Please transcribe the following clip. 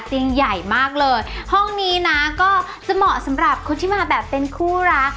เตียงใหญ่มากเลยห้องนี้นะก็จะเหมาะสำหรับคนที่มาแบบเป็นคู่รัก